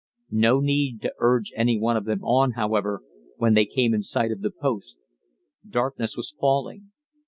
No need to urge any one of them on, however, when they came in sight of the post. Darkness was falling.